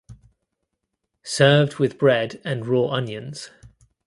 Served with bread and raw onions.